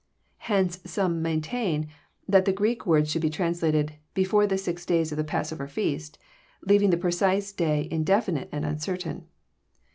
Hence some maintain that the Greek words should be translated, Before the six days of the passover feast," leaving the precise day indefinite and uncertain.